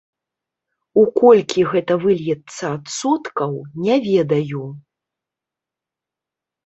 У колькі гэта выльецца адсоткаў, не ведаю.